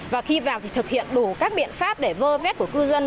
và khi vào thì thực hiện đủ các biện pháp để vơ vét của cư dân